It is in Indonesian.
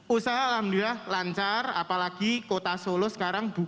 usaha alhamdulillah lancar apalagi kota solo sekarang